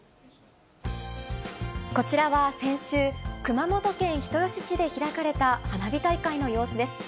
こちらは先週、熊本県人吉市で開かれた花火大会の様子です。